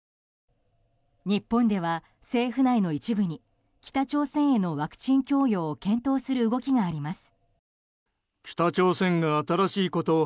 日本では政府内の一部に北朝鮮へのワクチン供与を検討する動きがあります。